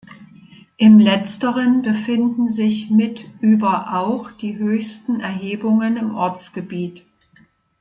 Im Letzteren befinden sich mit über auch die höchsten Erhebungen im Ortsgebiet.